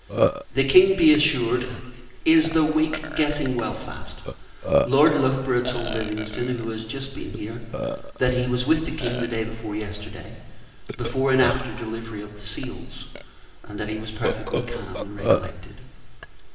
The King, be assured, is (though weak) getting well fast. Lord Loughborough told Livingston, who has just been here, that he was with the King the day before yesterday, before and after delivery of the seals, and that he was perfectly calm and recollected.